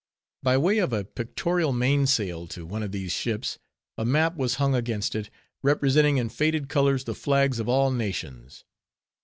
By way of a pictorial mainsail to one of these ships, a map was hung against it, representing in faded colors the flags of all nations.